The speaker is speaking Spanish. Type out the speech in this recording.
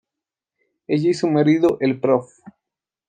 Ella y su marido, el Prof.